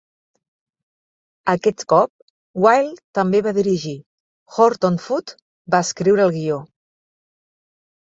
Aquest cop Wilde també va dirigir; Horton Foote va escriure el guió.